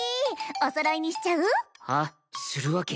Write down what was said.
おそろいにしちゃう？は？するわけ。